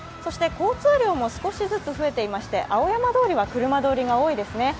交通量も少しずつ増えていまして青山通りは車通りが多いですね。